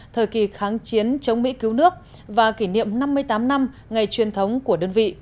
thời kỳ kháng chiến chống mỹ cứu nước và kỷ niệm năm mươi tám năm ngày truyền thống của đơn vị